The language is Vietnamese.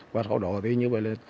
và sau đó thì như vậy là